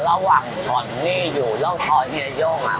เมื่อวางทอนนี่อยู่แล้วทรอียโย่งอะ